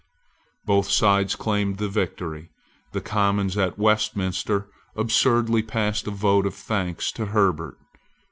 Both sides claimed the victory. The Commons at Westminster absurdly passed a vote of thanks to Herbert.